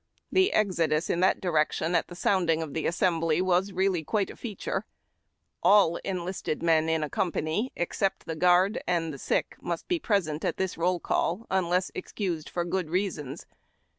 The exodus in that direction at the sounding of the assem bly was reall}^ Cjuite a feature. All enlisted men in a com [)any, except the guard and sick, must be present at this roll call, unless excused for good reasons.